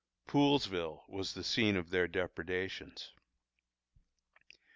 Poolesville was the scene of their depredations.